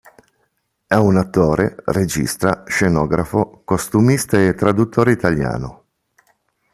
È un attore, regista, scenografo, costumista e traduttore italiano.